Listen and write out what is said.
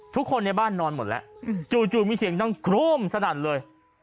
ทุกคนในบ้านนอนหมดแล้วจู่มีเสียงดังโครมสนั่นเลย